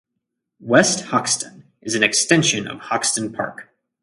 West Hoxton is an extension of Hoxton Park.